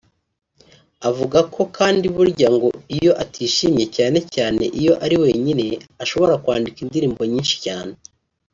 Avuga ko kandi burya ngo iyo atishimye cyane cyane iyo ari wenyine ashobora kwandika indirimbo nyinshi cyane